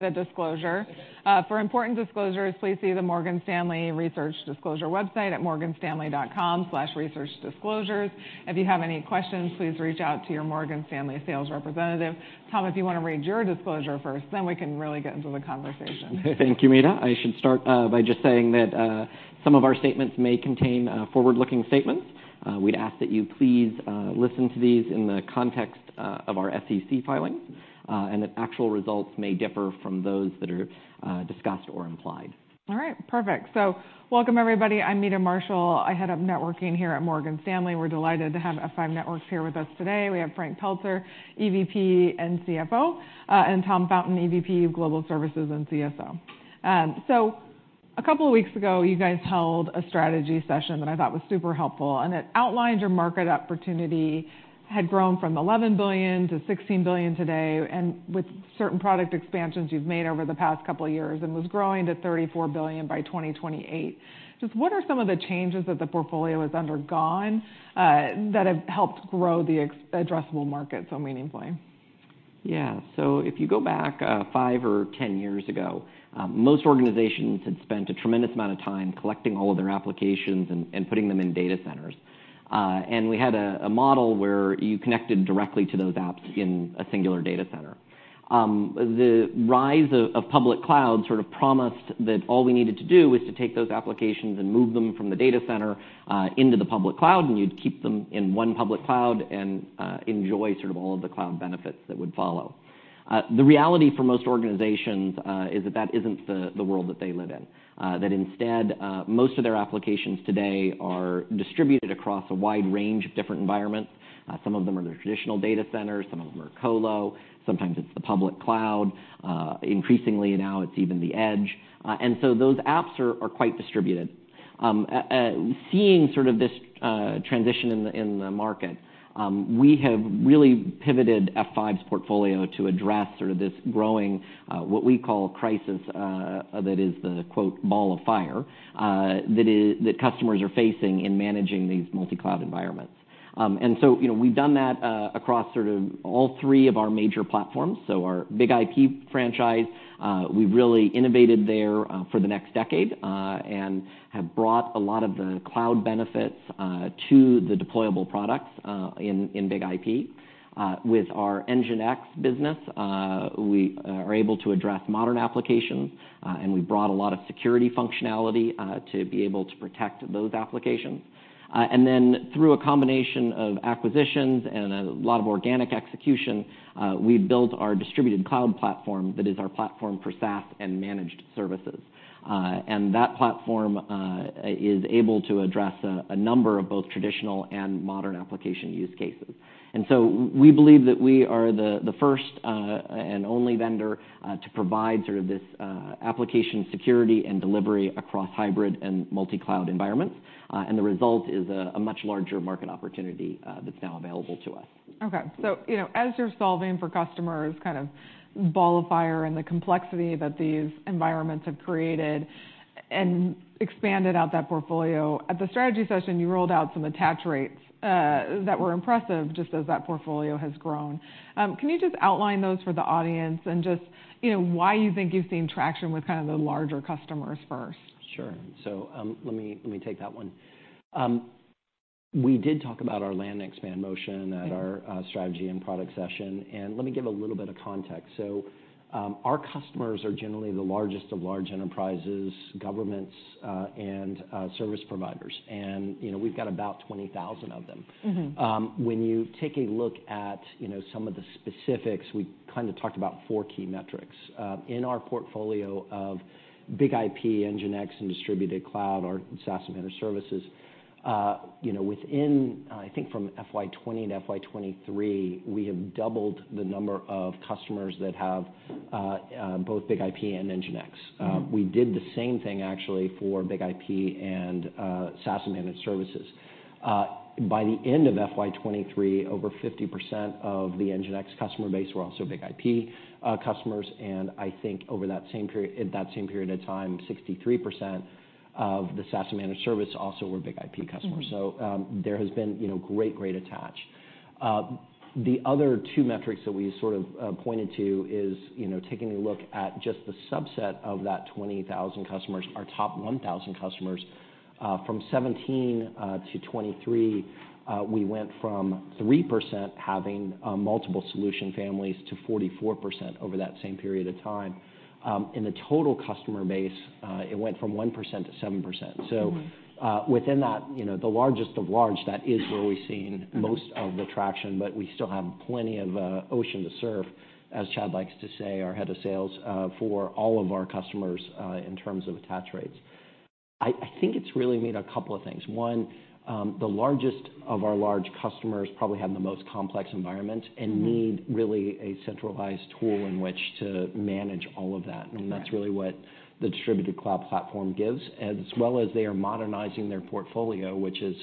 the disclosure. For important disclosures, please see the Morgan Stanley Research Disclosure website at morganstanley.com/researchdisclosures. If you have any questions, please reach out to your Morgan Stanley sales representative. Tom, if you want to read your disclosure first, then we can really get into the conversation. Thank you, Meta. I should start by just saying that some of our statements may contain forward-looking statements. We'd ask that you please listen to these in the context of our SEC filings and that actual results may differ from those that are discussed or implied. All right. Perfect. So welcome, everybody. I'm Meta Marshall. I head up networking here at Morgan Stanley. We're delighted to have F5 Networks here with us today. We have Frank Pelzer, EVP and CFO, and Tom Fountain, EVP of Global Services and CSO. So a couple of weeks ago, you guys held a strategy session that I thought was super helpful, and it outlined your market opportunity had grown from $11 billion to $16 billion today, and with certain product expansions you've made over the past couple of years, and was growing to $34 billion by 2028. Just what are some of the changes that the portfolio has undergone, that have helped grow the total addressable market so meaningfully? Yeah. So if you go back 5 or 10 years ago, most organizations had spent a tremendous amount of time collecting all of their applications and putting them in data centers. And we had a model where you connected directly to those apps in a singular data center. The rise of public cloud sort of promised that all we needed to do was to take those applications and move them from the data center into the public cloud, and you'd keep them in one public cloud and enjoy sort of all of the cloud benefits that would follow. The reality for most organizations is that that isn't the world that they live in. That instead, most of their applications today are distributed across a wide range of different environments. Some of them are the traditional data centers, some of them are colo, sometimes it's the public cloud, increasingly now it's even the edge. And so those apps are quite distributed. Seeing sort of this transition in the market, we have really pivoted F5's portfolio to address sort of this growing what we call crisis, that is the quote, "Ball of Fire," that customers are facing in managing these multi-cloud environments. And so, you know, we've done that across sort of all three of our major platforms. So our BIG-IP franchise, we've really innovated there for the next decade and have brought a lot of the cloud benefits to the deployable products in BIG-IP. With our NGINX business, we are able to address modern applications, and we brought a lot of security functionality to be able to protect those applications. And then through a combination of acquisitions and a lot of organic execution, we built our Distributed Cloud platform that is our platform for SaaS and managed services. And that platform is able to address a number of both traditional and modern application use cases. And so we believe that we are the first and only vendor to provide sort of this application security and delivery across hybrid and multi-cloud environments. And the result is a much larger market opportunity that's now available to us. Okay. So, you know, as you're solving for customers, kind of Ball of Fire and the complexity that these environments have created and expanded out that portfolio, at the strategy session, you rolled out some attach rates that were impressive just as that portfolio has grown. Can you just outline those for the audience and just, you know, why you think you've seen traction with kind of the larger customers first? Sure. So, let me take that one. We did talk about our land and expand motion- Mm-hmm. At our strategy and product session, and let me give a little bit of context. So, our customers are generally the largest of large enterprises, governments, and service providers. And, you know, we've got about 20,000 of them. Mm-hmm. When you take a look at, you know, some of the specifics, we kind of talked about four key metrics. In our portfolio of BIG-IP, NGINX, and Distributed Cloud, our SaaS managed services, you know, within, I think from FY 2020 to FY 2023, we have doubled the number of customers that have both BIG-IP and NGINX. Mm-hmm. We did the same thing actually for BIG-IP and SaaS managed services. By the end of FY 2023, over 50% of the NGINX customer base were also BIG-IP customers, and I think over that same period of time, 63% of the SaaS managed service also were BIG-IP customers. Mm-hmm. There has been, you know, great, great attach. The other two metrics that we sort of pointed to is, you know, taking a look at just the subset of that 20,000 customers, our top 1,000 customers, from 2017 to 2023, we went from 3% having multiple solution families, to 44% over that same period of time. In the total customer base, it went from 1% to 7%. Mm-hmm. So, within that, you know, the largest of large, that is where we've seen- Mm-hmm ...most of the traction, but we still have plenty of ocean to surf, as Chad likes to say, our head of sales, for all of our customers, in terms of attach rates. I think it's really made a couple of things. One, the largest of our large customers probably have the most complex environments- Mm-hmm... and need really a centralized tool in which to manage all of that. Right. That's really what the Distributed Cloud platform gives, as well as they are modernizing their portfolio, which is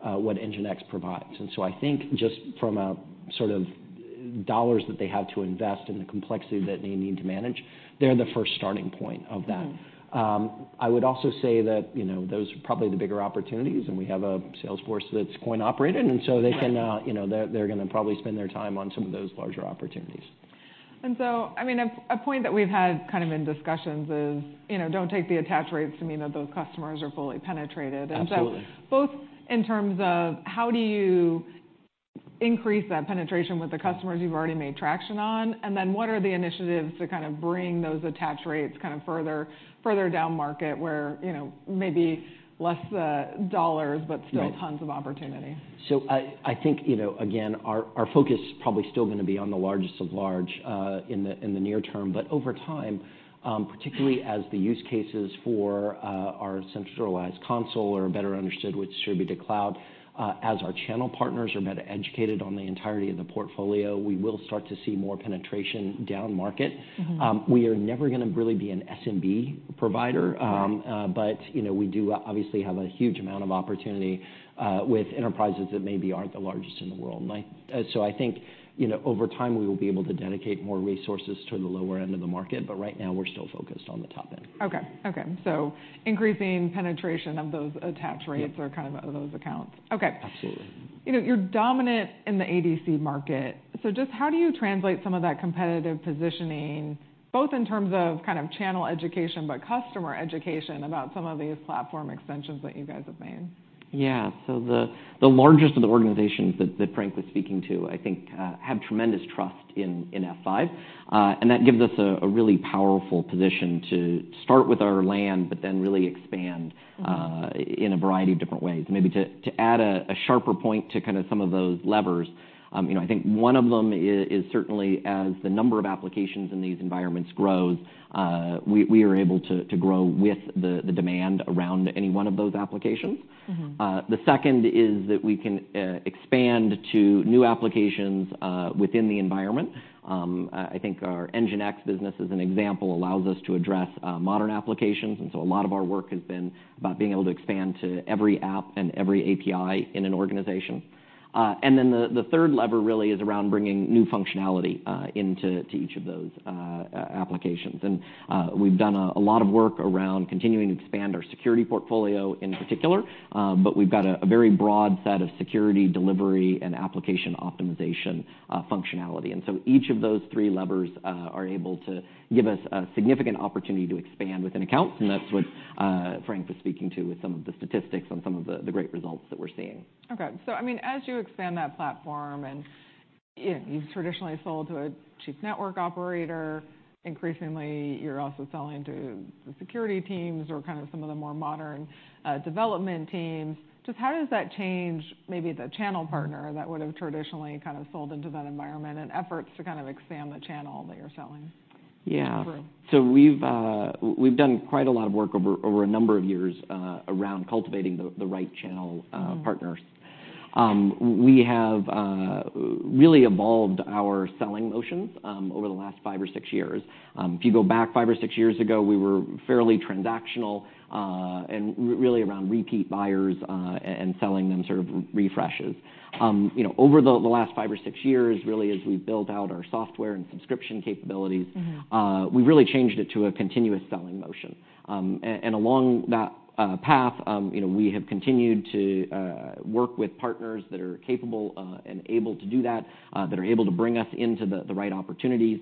what NGINX provides. So I think just from a sort of dollars that they have to invest and the complexity that they need to manage, they're the first starting point of that. Mm-hmm. I would also say that, you know, those are probably the bigger opportunities, and we have a sales force that's coin-operated, and so they can, Right... you know, they're, they're gonna probably spend their time on some of those larger opportunities.... And so, I mean, a point that we've had kind of in discussions is, you know, don't take the attach rates to mean that those customers are fully penetrated. Absolutely. And so both in terms of how do you increase that penetration with the customers you've already made traction on, and then what are the initiatives to kind of bring those attach rates kind of further, further down market where, you know, maybe less dollars- Right but still tons of opportunity? So I think, you know, again, our focus is probably still gonna be on the largest of large in the near term. But over time, particularly as the use cases for our centralized console are better understood with Distributed Cloud, as our channel partners are better educated on the entirety of the portfolio, we will start to see more penetration down market. Mm-hmm. We are never gonna really be an SMB provider. Right. But, you know, we do obviously have a huge amount of opportunity with enterprises that maybe aren't the largest in the world. So I think, you know, over time, we will be able to dedicate more resources to the lower end of the market, but right now we're still focused on the top end. Okay. Okay. So increasing penetration of those attach rates- Yep or kind of those accounts. Okay. Absolutely. You know, you're dominant in the ADC market. Just how do you translate some of that competitive positioning, both in terms of kind of channel education, but customer education, about some of these platform extensions that you guys have made? Yeah. So the largest of the organizations that Frank was speaking to, I think, have tremendous trust in F5. And that gives us a really powerful position to start with our land, but then really expand- Mm-hmm... in a variety of different ways. Maybe to add a sharper point to kind of some of those levers, you know, I think one of them is certainly as the number of applications in these environments grows, we are able to grow with the demand around any one of those applications. Mm-hmm. The second is that we can expand to new applications within the environment. I think our NGINX business, as an example, allows us to address modern applications. And so a lot of our work has been about being able to expand to every app and every API in an organization. And then the third lever really is around bringing new functionality into each of those applications. And we've done a lot of work around continuing to expand our security portfolio in particular, but we've got a very broad set of security, delivery, and application optimization functionality. And so each of those three levers are able to give us a significant opportunity to expand within accounts, and that's what Frank was speaking to with some of the statistics on some of the great results that we're seeing. Okay. So I mean, as you expand that platform, and, you know, you've traditionally sold to a chief network operator, increasingly, you're also selling to the security teams or kind of some of the more modern, development teams. Just how does that change maybe the channel partner that would've traditionally kind of sold into that environment and efforts to kind of expand the channel that you're selling- Yeah - through? So we've done quite a lot of work over a number of years around cultivating the right channel. Mm-hmm... partners. We have really evolved our selling motions over the last five or six years. If you go back five or six years ago, we were fairly transactional and really around repeat buyers and selling them sort of refreshes. You know, over the last five or six years, really, as we've built out our software and subscription capabilities- Mm-hmm... we've really changed it to a continuous selling motion. And along that path, you know, we have continued to work with partners that are capable and able to do that, that are able to bring us into the right opportunities.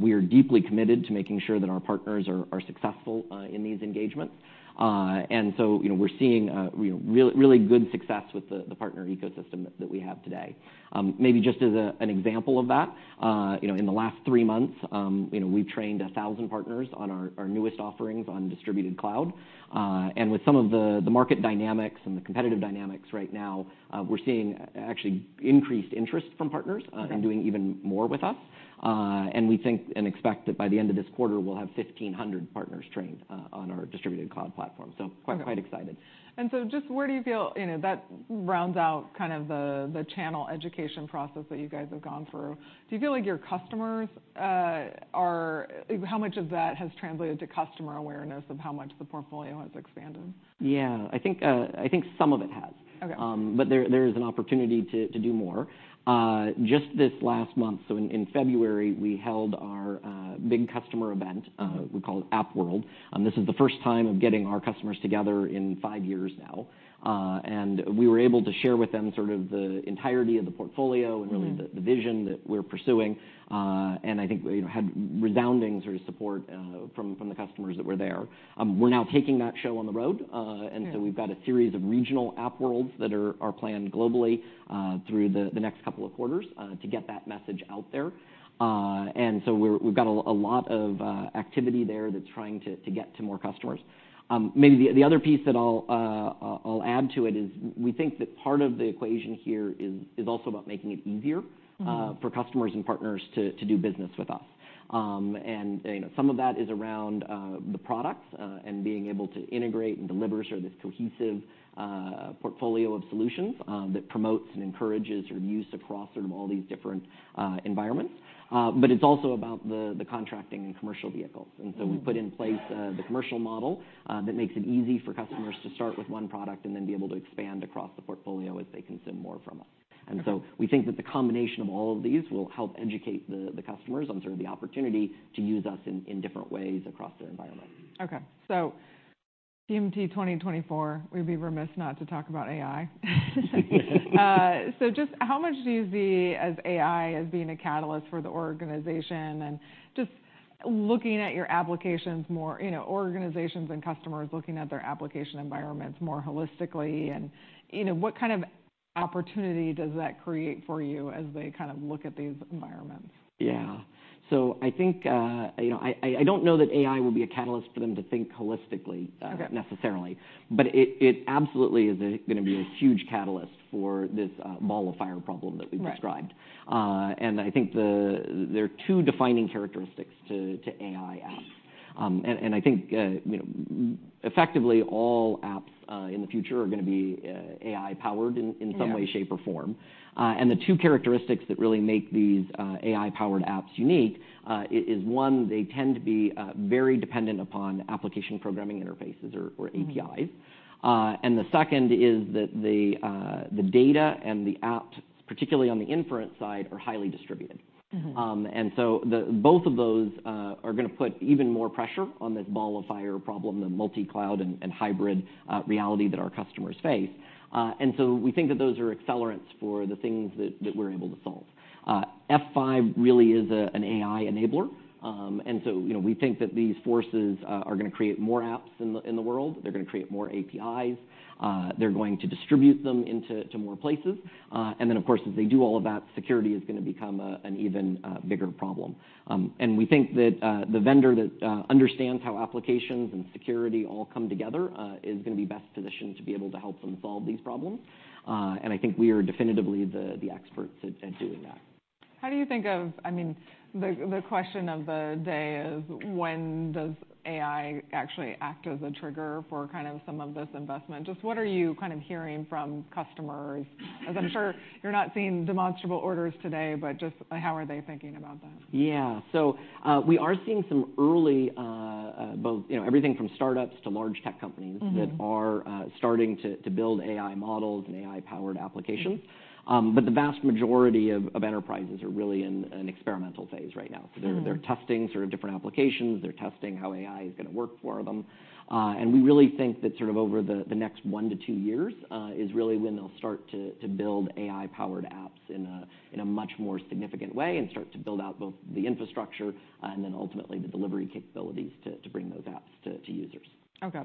We are deeply committed to making sure that our partners are successful in these engagements. And so, you know, we're seeing, you know, really good success with the partner ecosystem that we have today. Maybe just as an example of that, you know, in the last 3 months, you know, we've trained 1,000 partners on our newest offerings on Distributed Cloud. And with some of the market dynamics and the competitive dynamics right now, we're seeing actually increased interest from partners- Yeah... in doing even more with us. And we think and expect that by the end of this quarter, we'll have 1,500 partners trained on our Distributed Cloud platform, so- Okay... quite, quite excited. Just where do you feel... You know, that rounds out kind of the channel education process that you guys have gone through. Do you feel like your customers are-- How much of that has translated to customer awareness of how much the portfolio has expanded? Yeah. I think, I think some of it has. Okay. But there is an opportunity to do more. Just this last month, so in February, we held our big customer event, we call it AppWorld. And this is the first time of getting our customers together in five years now. And we were able to share with them sort of the entirety of the portfolio- Mm-hmm... and really the vision that we're pursuing. And I think, you know, had resounding sort of support from the customers that were there. We're now taking that show on the road. Yeah... and so we've got a series of regional AppWorlds that are planned globally through the next couple of quarters to get that message out there. And so we've got a lot of activity there that's trying to get to more customers. Maybe the other piece that I'll add to it is we think that part of the equation here is also about making it easier- Mm-hmm... for customers and partners to do business with us. And, you know, some of that is around the products and being able to integrate and deliver sort of this cohesive portfolio of solutions that promotes and encourages your use across sort of all these different environments. But it's also about the contracting and commercial vehicles. Mm-hmm. And so we've put in place the commercial model that makes it easy for customers to start with one product and then be able to expand across the portfolio as they consume more from us. Okay. And so we think that the combination of all of these will help educate the customers on sort of the opportunity to use us in different ways across their environment. Okay. TMT 2024, we'd be remiss not to talk about AI. So just how much do you see as AI as being a catalyst for the organization? And just looking at your applications more, you know, organizations and customers looking at their application environments more holistically, and, you know, what kind of opportunity does that create for you as they kind of look at these environments? Yeah. So I think, you know, I don't know that AI will be a catalyst for them to think holistically. Okay... necessarily, but it, it absolutely is gonna be a huge catalyst for this Ball of Fire problem that we described. Right. I think there are two defining characteristics to AI apps. I think, you know, effectively, all apps in the future are gonna be AI-powered in- Yeah... in some way, shape, or form. The two characteristics that really make these AI-powered apps unique is, one, they tend to be very dependent upon application programming interfaces or APIs. Mm-hmm. And the second is that the data and the apps, particularly on the inference side, are highly distributed. Mm-hmm. And so both of those are gonna put even more pressure on this Ball of Fire problem, the multi-cloud and hybrid reality that our customers face. And so we think that those are accelerants for the things that we're able to solve. F5 really is an AI enabler. And so, you know, we think that these forces are gonna create more apps in the world. They're gonna create more APIs. They're going to distribute them into more places. And then, of course, as they do all of that, security is gonna become an even bigger problem. And we think that the vendor that understands how applications and security all come together is gonna be best positioned to be able to help them solve these problems. And I think we are definitively the experts at doing that. How do you think of? I mean, the question of the day is, when does AI actually act as a trigger for kind of some of this investment? Just what are you kind of hearing from customers? As I'm sure you're not seeing demonstrable orders today, but just, how are they thinking about that? Yeah. So, we are seeing some early, both, you know, everything from startups to large tech companies- Mm-hmm... that are starting to build AI models and AI-powered applications. But the vast majority of enterprises are really in an experimental phase right now. Mm-hmm. So they're testing sort of different applications. They're testing how AI is gonna work for them. And we really think that sort of over the next 1-2 years is really when they'll start to build AI-powered apps in a much more significant way, and start to build out both the infrastructure and then ultimately the delivery capabilities to bring those apps to users. Okay.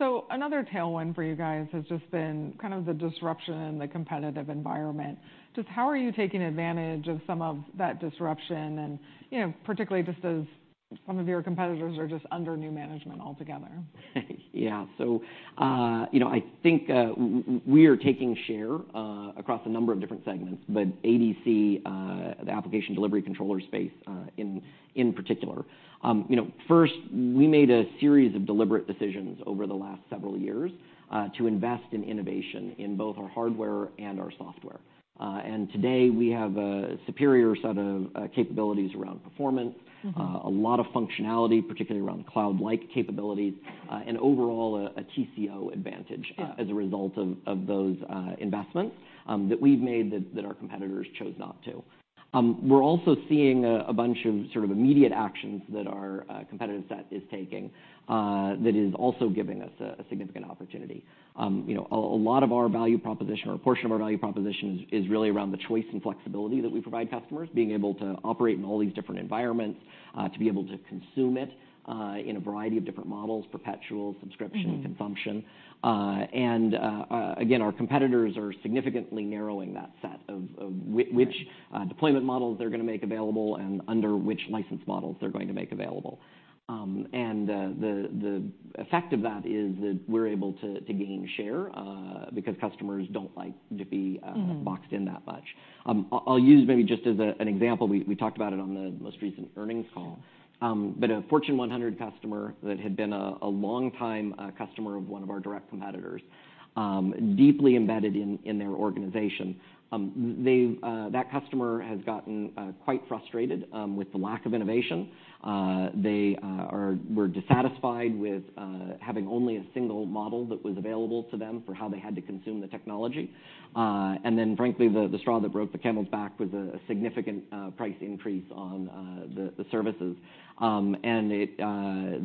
So another tailwind for you guys has just been kind of the disruption in the competitive environment. Just how are you taking advantage of some of that disruption and, you know, particularly just as some of your competitors are just under new management altogether? Yeah. So, you know, I think, we are taking share, across a number of different segments, but ADC, the application delivery controller space, in particular. You know, first, we made a series of deliberate decisions over the last several years, to invest in innovation in both our hardware and our software. And today, we have a superior set of, capabilities around performance- Mm-hmm... a lot of functionality, particularly around cloud-like capabilities, and overall, a TCO advantage- Yeah... as a result of those investments that we've made that our competitors chose not to. We're also seeing a bunch of sort of immediate actions that our competitor set is taking that is also giving us a significant opportunity. You know, a lot of our value proposition or a portion of our value proposition is really around the choice and flexibility that we provide customers, being able to operate in all these different environments, to be able to consume it in a variety of different models: perpetual, subscription- Mm-hmm... consumption. Again, our competitors are significantly narrowing that set of, of- Right... which deployment models they're gonna make available and under which license models they're going to make available. And the effect of that is that we're able to gain share because customers don't like to be... Mm-hmm... boxed in that much. I'll use maybe just as an example, we talked about it on the most recent earnings call. But a Fortune 100 customer that had been a longtime customer of one of our direct competitors, deeply embedded in their organization. That customer has gotten quite frustrated with the lack of innovation. They were dissatisfied with having only a single model that was available to them for how they had to consume the technology. And then frankly, the straw that broke the camel's back was a significant price increase on the services. And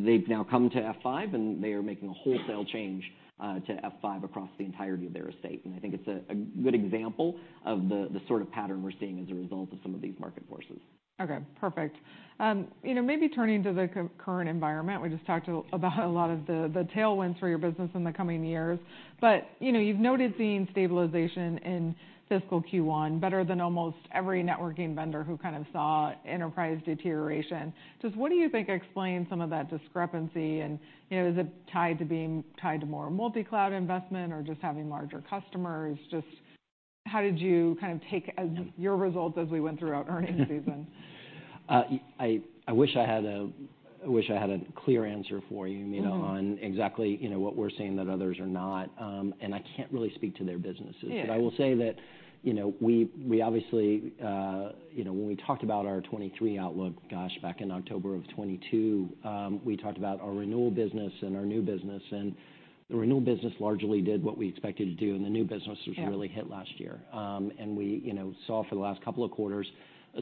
they've now come to F5, and they are making a wholesale change to F5 across the entirety of their estate. I think it's a good example of the sort of pattern we're seeing as a result of some of these market forces. Okay, perfect. You know, maybe turning to the current environment, we just talked about a lot of the tailwinds for your business in the coming years. But, you know, you've noted seeing stabilization in fiscal Q1, better than almost every networking vendor who kind of saw enterprise deterioration. Just what do you think explains some of that discrepancy? And, you know, is it tied to being tied to more multi-cloud investment or just having larger customers? How did you kind of take your results as we went through earnings season? I wish I had a clear answer for you- Mm-hmm you know, on exactly, you know, what we're seeing that others are not. And I can't really speak to their businesses. Yeah. But I will say that, you know, we obviously, you know, when we talked about our 2023 outlook, gosh, back in October of 2022, we talked about our renewal business and our new business. And the renewal business largely did what we expected it to do, and the new business- Yeah was really hit last year. And we, you know, saw for the last couple of quarters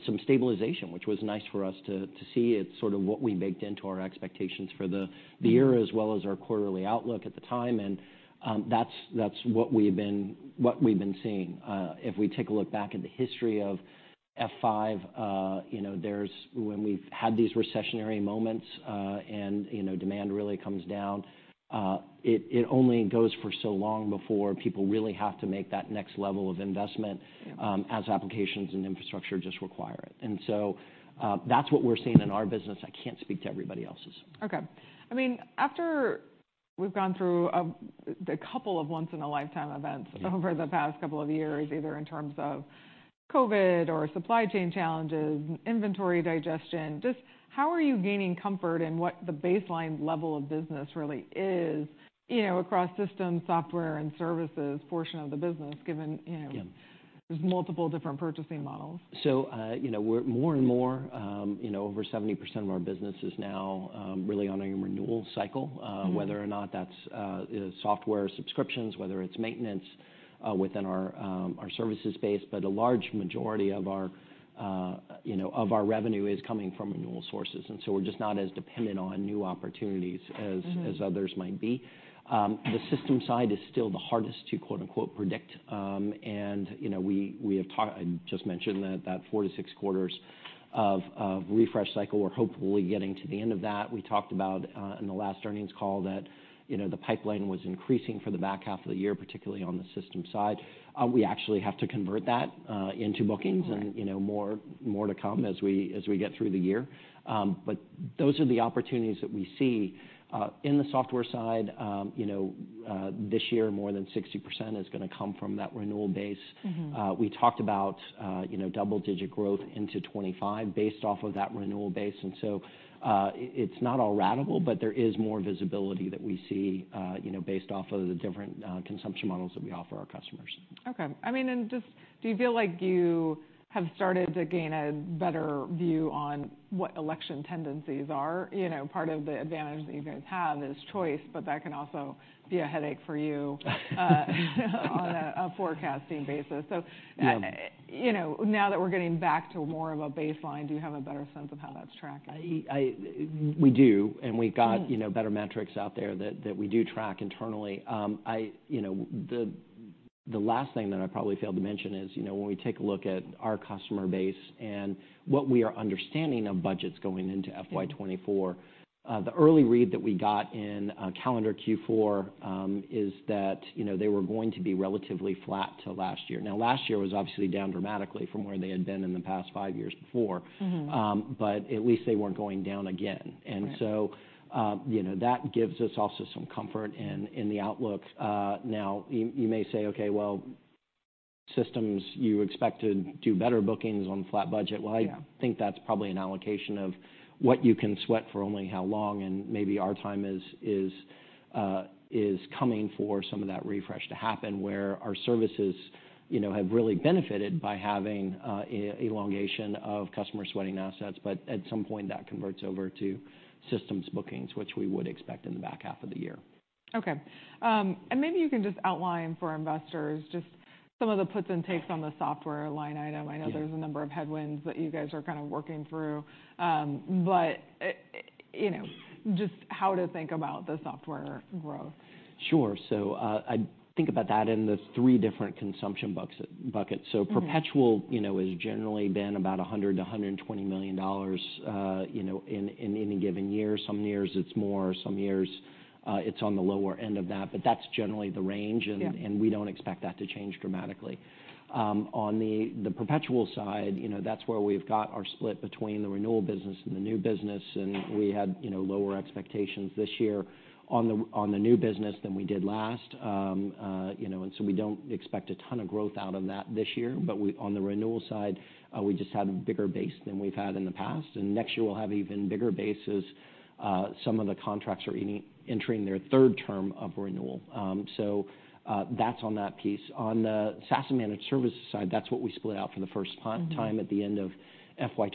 some stabilization, which was nice for us to see. It's sort of what we baked into our expectations for the year- Mm-hmm —as well as our quarterly outlook at the time, and, that's what we've been seeing. If we take a look back at the history of F5, you know, there's when we've had these recessionary moments, and, you know, demand really comes down, it only goes for so long before people really have to make that next level of investment, as applications and infrastructure just require it. And so, that's what we're seeing in our business. I can't speak to everybody else's. Okay. I mean, after we've gone through a couple of once-in-a-lifetime events over the past couple of years, either in terms of COVID or supply chain challenges, inventory digestion, just how are you gaining comfort in what the baseline level of business really is, you know, across systems, software, and services portion of the business, given, you know- Yeah... there's multiple different purchasing models? So, you know, we're more and more, you know, over 70% of our business is now, really on a renewal cycle. Mm-hmm. Whether or not that's software subscriptions, whether it's maintenance within our services base, but a large majority of our, you know, revenue is coming from renewal sources, and so we're just not as dependent on new opportunities as- Mm-hmm... as others might be. The system side is still the hardest to, quote, unquote, "predict." And, you know, we, we have to. I just mentioned that, that 4-6 quarters of refresh cycle, we're hopefully getting to the end of that. We talked about in the last earnings call that, you know, the pipeline was increasing for the back half of the year, particularly on the system side. We actually have to convert that into bookings- Right... and, you know, more to come as we get through the year. But those are the opportunities that we see. In the software side, you know, this year, more than 60% is gonna come from that renewal base. Mm-hmm. We talked about, you know, double-digit growth into 2025 based off of that renewal base. And so, it- it's not all ratable, but there is more visibility that we see, you know, based off of the different consumption models that we offer our customers. Okay. I mean, and just do you feel like you have started to gain a better view on what election tendencies are? You know, part of the advantage that you guys have is choice, but that can also be a headache for you on a forecasting basis. So- Yeah... you know, now that we're getting back to more of a baseline, do you have a better sense of how that's tracking? We do, and we've got- Mm... you know, better metrics out there that we do track internally. You know, the last thing that I probably failed to mention is, you know, when we take a look at our customer base and what we are understanding of budgets going into FY 2024- Mm... the early read that we got in, calendar Q4, is that, you know, they were going to be relatively flat to last year. Now, last year was obviously down dramatically from where they had been in the past five years before. Mm-hmm. But at least they weren't going down again. Right. So, you know, that gives us also some comfort in the outlook. Now, you may say, "Okay, well, systems, you expect to do better bookings on flat budget. Yeah. Well, I think that's probably an allocation of what you can sweat for only how long, and maybe our time is coming for some of that refresh to happen, where our services, you know, have really benefited by having elongation of customer-sweating assets. But at some point, that converts over to systems bookings, which we would expect in the back half of the year. Okay. Maybe you can just outline for investors just some of the puts and takes on the software line item. Yeah. I know there's a number of headwinds that you guys are kind of working through. But, you know, just how to think about the software growth. Sure. So, I think about that in the three different consumption buckets. Mm-hmm. Perpetual, you know, has generally been about $100-$120 million, you know, in any given year. Some years it's more, some years it's on the lower end of that, but that's generally the range. Yeah. We don't expect that to change dramatically. On the perpetual side, you know, that's where we've got our split between the renewal business and the new business, and we had, you know, lower expectations this year on the new business than we did last. You know, and so we don't expect a ton of growth out of that this year. But on the renewal side, we just had a bigger base than we've had in the past, and next year we'll have even bigger bases. Some of the contracts are entering their third term of renewal. So, that's on that piece. On the SaaS and managed services side, that's what we split out for the first time- Mm-hmm... at the end of FY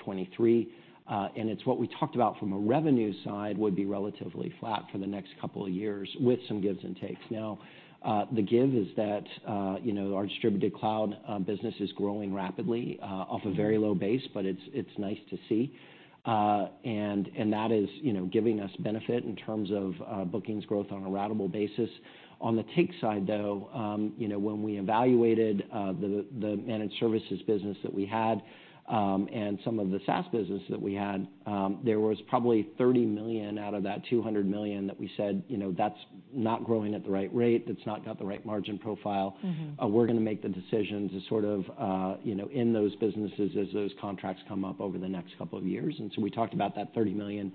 2023. It's what we talked about from a revenue side, would be relatively flat for the next couple of years with some gives and takes. Now, the give is that, you know, our Distributed Cloud business is growing rapidly, off a very low base, but it's, it's nice to see. That is, you know, giving us benefit in terms of bookings growth on a ratable basis. On the take side, though, you know, when we evaluated, the managed services business that we had, and some of the SaaS business that we had, there was probably $30 million out of that $200 million that we said, "You know, that's not growing at the right rate. That's not got the right margin profile. Mm-hmm. We're gonna make the decisions to sort of, you know, end those businesses as those contracts come up over the next couple of years. And so we talked about that $30 million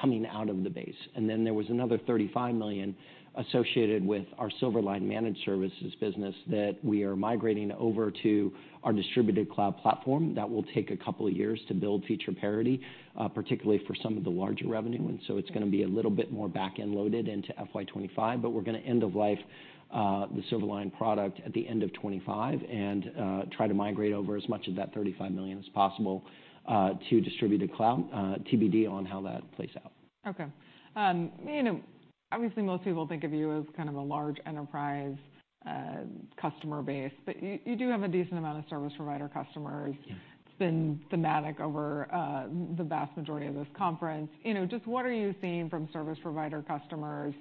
coming out of the base. And then there was another $35 million associated with our Silverline Managed Services business that we are migrating over to our Distributed Cloud platform. That will take a couple of years to build feature parity, particularly for some of the larger revenue ones. So it's gonna be a little bit more back-end loaded into FY 2025, but we're gonna end of life the Silverline product at the end of 2025 and try to migrate over as much of that $35 million as possible to Distributed Cloud. TBD on how that plays out. Okay. You know, obviously, most people think of you as kind of a large enterprise customer base, but you, you do have a decent amount of service provider customers. Yes. It's been thematic over the vast majority of this conference. You know, just what are you seeing from service provider customers,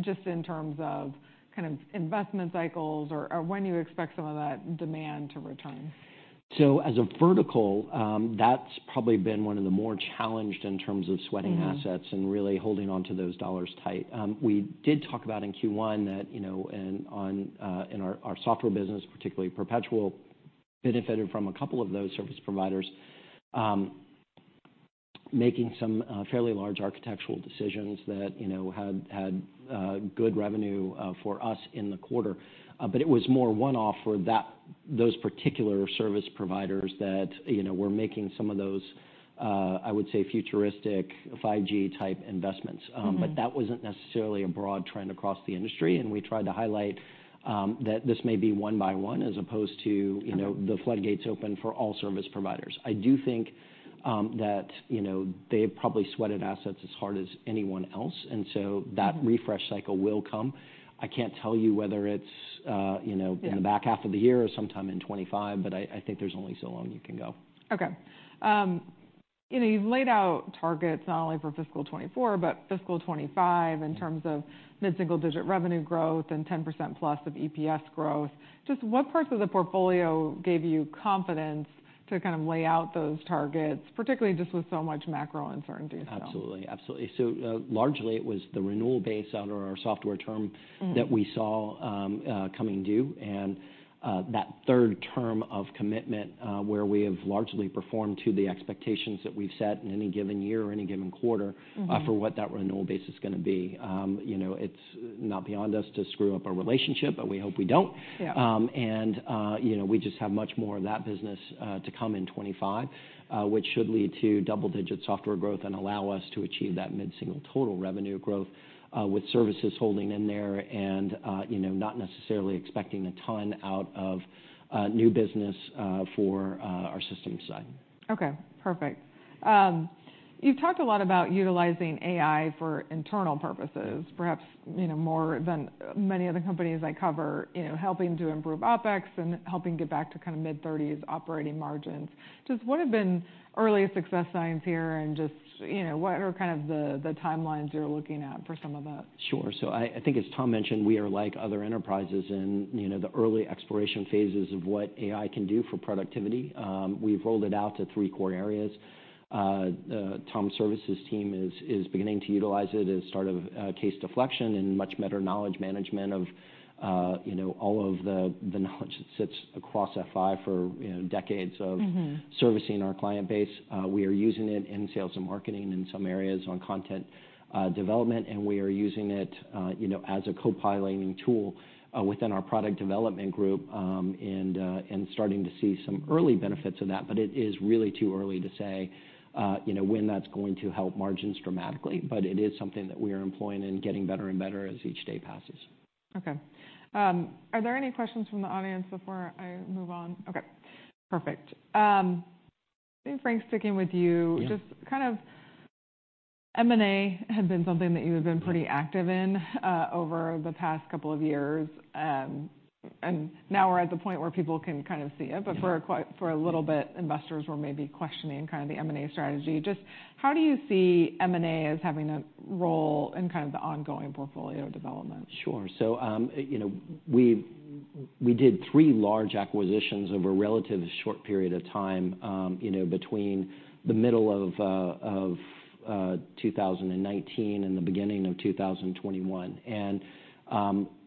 just in terms of kind of investment cycles or when you expect some of that demand to return? So as a vertical, that's probably been one of the more challenged in terms of- Mm-hmm sweating assets and really holding onto those dollars tight. We did talk about in Q1 that, you know, and on, in our software business, particularly Perpetual, benefited from a couple of those service providers. Making some, fairly large architectural decisions that, you know, had good revenue, for us in the quarter. But it was more one-off for those particular service providers that, you know, were making some of those, I would say, futuristic 5G-type investments. Mm-hmm. But that wasn't necessarily a broad trend across the industry, and we tried to highlight that this may be one by one, as opposed to, you know- Okay... the floodgates open for all service providers. I do think, that, you know, they've probably sweated assets as hard as anyone else, and so- Mm-hmm... that refresh cycle will come. I can't tell you whether it's, you know- Yeah... in the back half of the year or sometime in 2025, but I, I think there's only so long you can go. Okay. You know, you've laid out targets not only for fiscal 2024, but fiscal 2025, in terms of mid-single-digit revenue growth and 10%+ of EPS growth. Just what parts of the portfolio gave you confidence to kind of lay out those targets, particularly just with so much macro uncertainty now? Absolutely. Absolutely. So, largely, it was the renewal base under our software term- Mm-hmm... that we saw, coming due, and, that third term of commitment, where we have largely performed to the expectations that we've set in any given year or any given quarter- Mm-hmm... for what that renewal base is gonna be. You know, it's not beyond us to screw up a relationship, but we hope we don't. Yeah. And, you know, we just have much more of that business to come in 2025, which should lead to double-digit software growth and allow us to achieve that mid-single total revenue growth, with services holding in there and, you know, not necessarily expecting a ton out of new business for our systems side. Okay, perfect. You've talked a lot about utilizing AI for internal purposes, perhaps, you know, more than many other companies I cover, you know, helping to improve OpEx and helping get back to kind of mid-thirties operating margins. Just what have been early success signs here, and just, you know, what are kind of the, the timelines you're looking at for some of that? Sure. So I think, as Tom mentioned, we are like other enterprises and, you know, the early exploration phases of what AI can do for productivity. We've rolled it out to three core areas. Tom Services team is beginning to utilize it as sort of case deflection and much better knowledge management of, you know, all of the knowledge that sits across F5 for, you know, decades of- Mm-hmm... servicing our client base. We are using it in sales and marketing in some areas on content development, and we are using it, you know, as a co-piloting tool within our product development group, and starting to see some early benefits of that. But it is really too early to say, you know, when that's going to help margins dramatically. But it is something that we are employing and getting better and better as each day passes. Okay. Are there any questions from the audience before I move on? Okay, perfect. I think, Frank, sticking with you. Yeah. Just kind of M&A had been something that you had been pretty active in, over the past couple of years. Now we're at the point where people can kind of see it. Yeah. But for a little bit, investors were maybe questioning kind of the M&A strategy. Just how do you see M&A as having a role in kind of the ongoing portfolio development? Sure. So, you know, we did three large acquisitions over a relatively short period of time, you know, between the middle of 2019 and the beginning of 2021. And,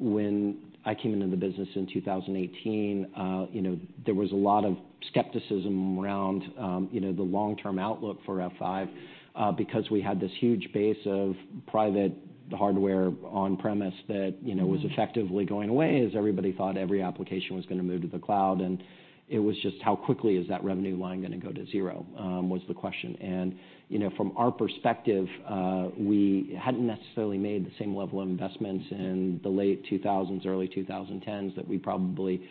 when I came into the business in 2018, you know, there was a lot of skepticism around, you know, the long-term outlook for F5, because we had this huge base of private hardware on-premises that, you know- Mm-hmm... was effectively going away, as everybody thought every application was gonna move to the cloud, and it was just how quickly is that revenue line gonna go to zero, was the question. And, you know, from our perspective, we hadn't necessarily made the same level of investments in the late 2000s, early 2010s, that we probably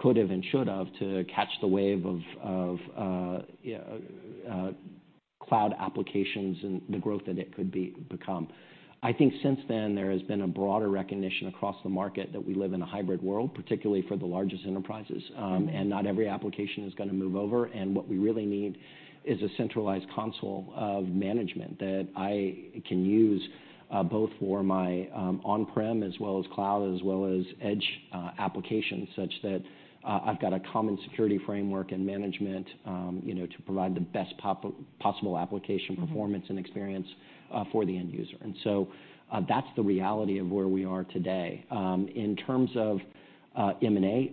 could've and should've to catch the wave of cloud applications and the growth that it could become. I think since then, there has been a broader recognition across the market that we live in a hybrid world, particularly for the largest enterprises- Mm-hmm... and not every application is gonna move over. And what we really need is a centralized console of management that I can use, both for my on-prem as well as cloud, as well as edge applications, such that I've got a common security framework and management, you know, to provide the best possible application- Mm-hmm... performance and experience for the end user. And so, that's the reality of where we are today. In terms of M&A,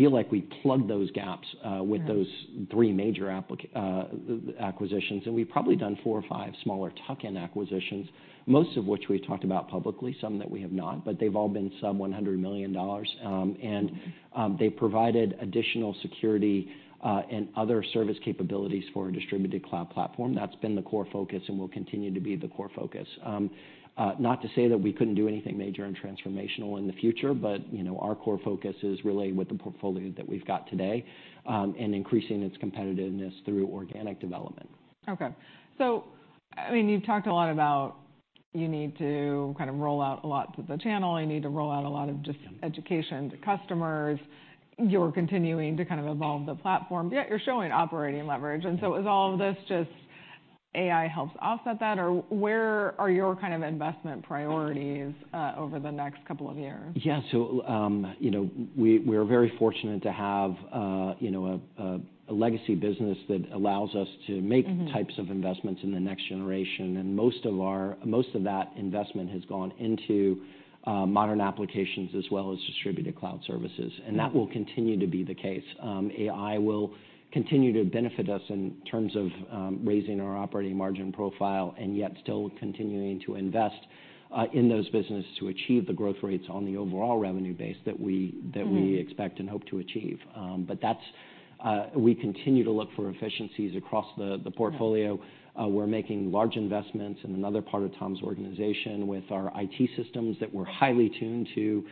we feel like we plugged those gaps. Yeah... with those three major acquisitions, and we've probably done four or five smaller tuck-in acquisitions, most of which we've talked about publicly, some that we have not, but they've all been sub-$100 million. And they provided additional security and other service capabilities for our Distributed Cloud platform. That's been the core focus and will continue to be the core focus. Not to say that we couldn't do anything major and transformational in the future, but, you know, our core focus is really with the portfolio that we've got today, and increasing its competitiveness through organic development.... Okay. So, I mean, you've talked a lot about you need to kind of roll out a lot to the channel, you need to roll out a lot of just education to customers. You're continuing to kind of evolve the platform, yet you're showing operating leverage. And so is all of this just AI helps offset that, or where are your kind of investment priorities over the next couple of years? Yeah, so, you know, we're very fortunate to have, you know, a legacy business that allows us to make- Mm-hmm types of investments in the next generation, and most of that investment has gone into modern applications as well as Distributed Cloud Services. Mm-hmm. That will continue to be the case. AI will continue to benefit us in terms of raising our operating margin profile, and yet still continuing to invest in those businesses to achieve the growth rates on the overall revenue base that we- Mm-hmm... that we expect and hope to achieve. But that's, we continue to look for efficiencies across the portfolio. Yeah. We're making large investments in another part of Tom's organization with our IT systems, that we're highly tuned to,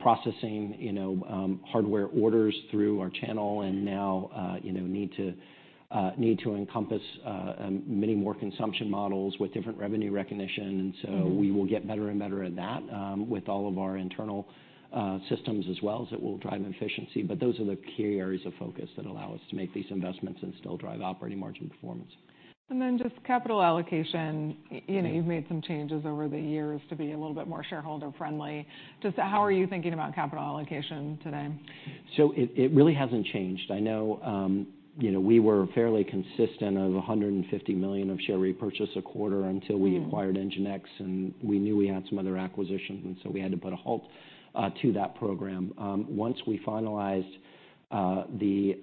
processing, you know, hardware orders through our channel and now, you know, need to need to encompass many more consumption models with different revenue recognition. Mm-hmm. And so we will get better and better at that, with all of our internal systems as well, as it will drive efficiency. But those are the key areas of focus that allow us to make these investments and still drive operating margin performance. And then just capital allocation. You know, you've made some changes over the years to be a little bit more shareholder-friendly. Just how are you thinking about capital allocation today? So it really hasn't changed. I know, you know, we were fairly consistent of $150 million of share repurchase a quarter until we- Mm-hmm... acquired NGINX, and we knew we had some other acquisitions, and so we had to put a halt to that program. Once we finalized the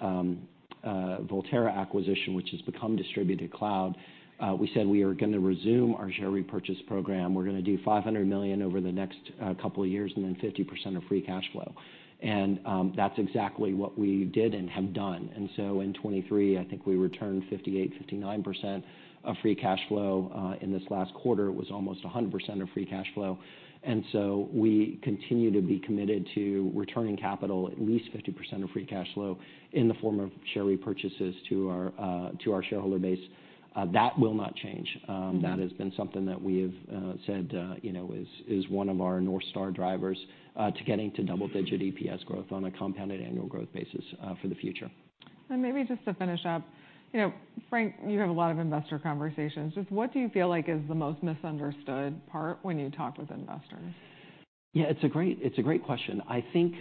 Volterra acquisition, which has become Distributed Cloud, we said we are gonna resume our share repurchase program. We're gonna do $500 million over the next couple of years, and then 50% of free cash flow. And that's exactly what we did and have done. And so in 2023, I think we returned 58-59% of free cash flow. In this last quarter, it was almost 100% of free cash flow. And so we continue to be committed to returning capital, at least 50% of free cash flow, in the form of share repurchases to our shareholder base. That will not change. Mm-hmm. That has been something that we have said, you know, is one of our North Star drivers to getting to double-digit EPS growth on a compounded annual growth basis for the future. Maybe just to finish up, you know, Frank, you have a lot of investor conversations. Just what do you feel like is the most misunderstood part when you talk with investors? Yeah, it's a great, it's a great question. I think,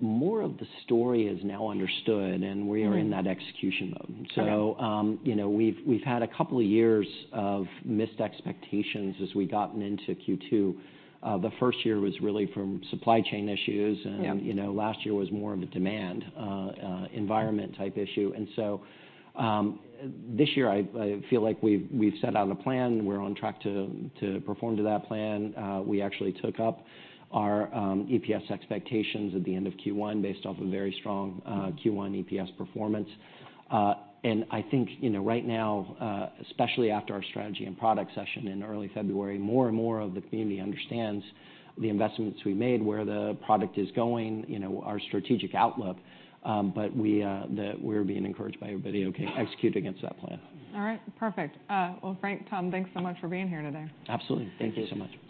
more of the story is now understood, and we are- Mm-hmm... in that execution mode. Okay. So, you know, we've had a couple of years of missed expectations as we've gotten into Q2. The first year was really from supply chain issues and- Yeah... you know, last year was more of a demand environment type issue. And so, this year I, I feel like we've, we've set out a plan. We're on track to perform to that plan. We actually took up our EPS expectations at the end of Q1, based off a very strong Q1 EPS performance. And I think, you know, right now, especially after our strategy and product session in early February, more and more of the community understands the investments we've made, where the product is going, you know, our strategic outlook, but we that we're being encouraged by everybody, okay, execute against that plan. All right. Perfect. Well, Frank, Tom, thanks so much for being here today. Absolutely. Thank you. Thank you so much.